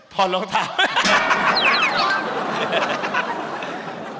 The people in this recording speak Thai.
พอลงทาม